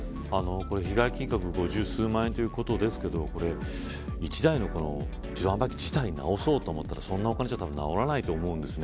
これ被害金額が５０数万円ということですけど１台の自動販売機自体直そうと思ったらそんなお金じゃたぶん直らないと思うんです。